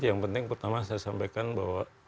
yang penting pertama saya sampaikan bahwa